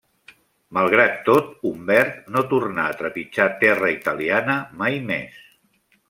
Malgrat tot, Humbert no tornà a trepitjar terra italiana mai més.